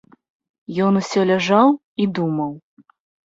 Ён усё ляжаў і думаў.